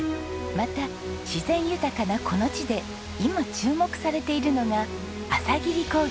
また自然豊かなこの地で今注目されているのが朝霧高原です。